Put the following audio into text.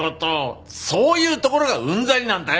そういうところがうんざりなんだよ！